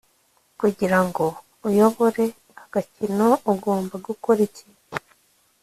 Kugira ngo uyobore agakino ugomba gukora iki